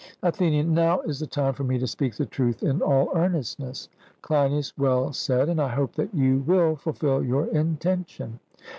ATHENIAN: Now is the time for me to speak the truth in all earnestness. CLEINIAS: Well said, and I hope that you will fulfil your intention.